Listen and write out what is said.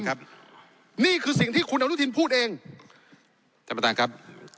นี่คือสิ่งที่คุณอนุทินพูดเองท่านประธานครับ